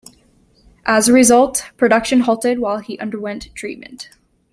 As a result, production halted while he underwent treatment.